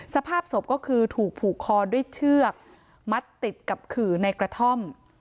สภาพศพก็คือถูกผูกคอด้วยเชือกมัดติดกับขื่อในกระท่อม